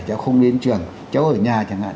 cháu không đến trường cháu ở nhà chẳng hạn